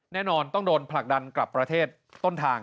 แน่นอนต้องโดนผลักดันกลับประเทศต้นทาง